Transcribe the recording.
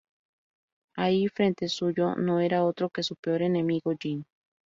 Ahí, frente suyo, no era otro que su peor enemigo, Jin.